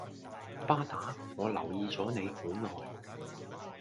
巴打我留意左你好耐